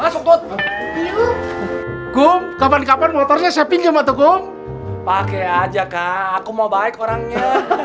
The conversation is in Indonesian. kum kapan kapan motornya saya pinjam atau kum pakai aja kak aku mau baik orangnya